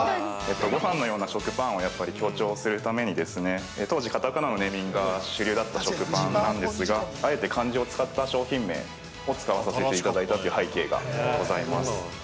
◆ごはんのような食パンをやっぱり強調するためにですね、当時、片仮名のネーミングが主流だった食パンなんですがあえて漢字を使った商品名を使わせていただいたという背景がございます。